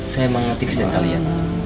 saya mengaktifkan kalian